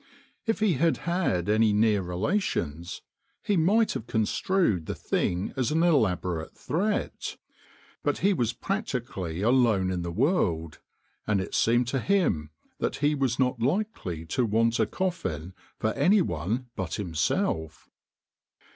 If he had had any near relations he might have construed the thing as an elaborate threat, but he was prac tically alone in the world, and it seemed to him that he was not likely to want a coffin for any one but himself.